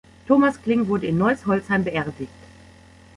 Thomas Kling wurde in Neuss-Holzheim beerdigt.